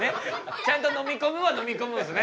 ちゃんと飲み込むは飲み込むんですね。